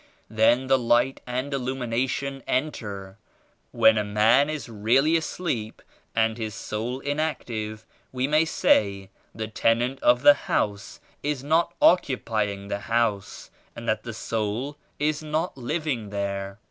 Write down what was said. Then the light and il lumination enters. When a man is really asleep and his soul inactive we may say the tenant of the house is not occupying the house and that the soul is not living there.